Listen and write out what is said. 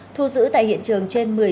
thu giữ tại hiện trường trên